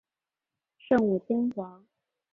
圣武天皇。